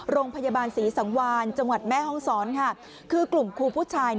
โรงพยาบาลศรีสังวานจังหวัดแม่ห้องศรค่ะคือกลุ่มครูผู้ชาย